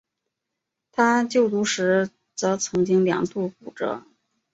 他就读时则曾经两度骨折。